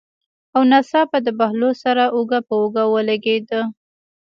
او ناڅاپه د بهلول سره اوږه په اوږه ولګېده.